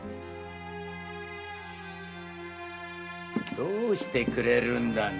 どうしてくれるんだね